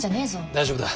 大丈夫だ。